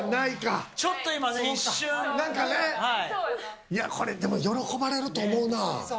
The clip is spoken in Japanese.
ちょっと、いやこれ、でも喜ばれると思うな。